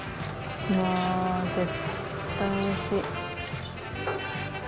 うわ絶対おいしい。